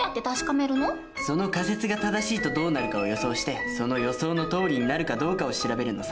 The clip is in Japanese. その仮説が正しいとどうなるかを予想してその予想のとおりになるかどうかを調べるのさ。